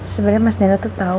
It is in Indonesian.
sebenernya mas nino tuh tau